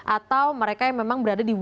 atau mereka yang memang berada di